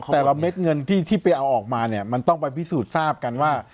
แต่ละเม็ดเงินที่ไปเอาออกมาเนี่ยมันต้องไปพิสูจน์ทราบกันว่า